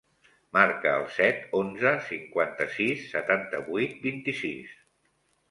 Marca el set, onze, cinquanta-sis, setanta-vuit, vint-i-sis.